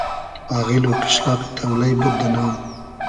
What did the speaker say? آغیل و قیشلاقی تۉلݷ بود دۂ نام